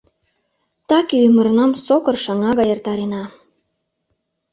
Таки ӱмырнам сокыр шыҥа гай эртарена.